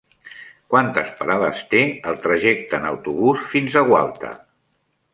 Quantes parades té el trajecte en autobús fins a Gualta?